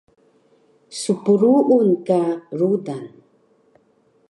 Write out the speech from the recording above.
Spruun ka rudan